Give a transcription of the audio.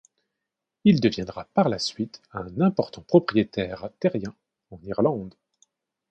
Il deviendra par la suite un important propriétaire terrien en Irlande.